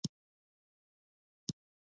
بالاخره نوبت سلطان باز بهادر ته ورسېد.